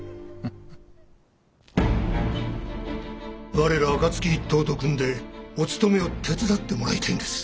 我ら暁一党と組んでお盗めを手伝ってもらいたいんです。